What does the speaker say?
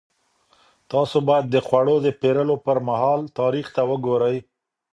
تاسو باید د خوړو د پېرلو پر مهال تاریخ ته وګورئ.